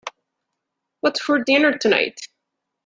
What's for dinner tonight?